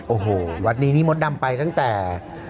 โอ้โหวัดนี้นี่มดดำไปตั้งแต่